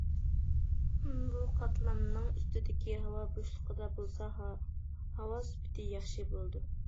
بۇ قاتلامنىڭ ئۈستىدىكى ھاۋا بوشلۇقىدا بولسا ھاۋا سۈپىتى ياخشى بولىدۇ.